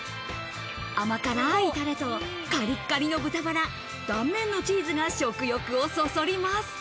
甘辛いタレと、カリカリの豚バラ、断面のチーズが食欲をそそります。